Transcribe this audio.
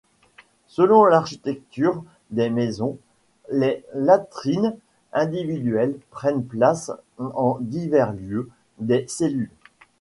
Selon l'architecture des maisons, les latrines individuelles prennent place en divers lieux des cellules.